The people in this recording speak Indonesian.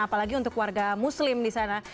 apalagi untuk warga muslim di sana